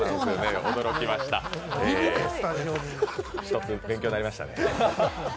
ひとつ勉強になりましたね。